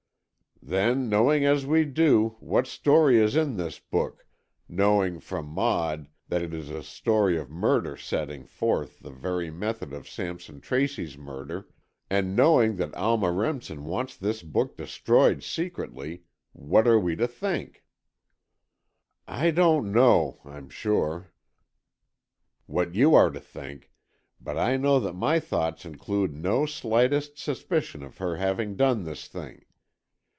"Then, knowing as we do, what story is in this book, knowing, from Maud, that it is a story of a murder setting forth the very method of Sampson Tracy's murderer, and knowing that Alma Remsen wants this book destroyed secretly, what are we to think?" "I don't know, I'm sure, what you are to think, but I know that my thoughts include no slightest suspicion of her having done this thing.